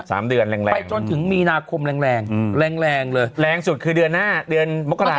สามเดือนแรงไปจนถึงมีนาคมแรงแรงเลยแรงสุดคือเดือนมกรา